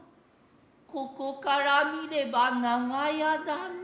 ここから視れば長屋だが。